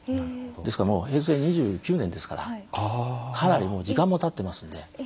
ですから、もう平成２９年ですからかなりもう時間もたっていますので。